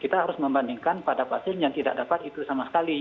kita harus membandingkan pada pasien yang tidak dapat itu sama sekali